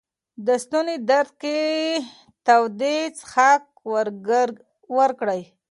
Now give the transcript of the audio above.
د ستوني درد کې تودې څښاک ورکړئ.